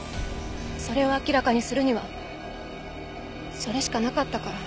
それを明らかにするにはそれしかなかったから。